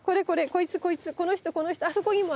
こいつこいつこの人この人あそこにもあった！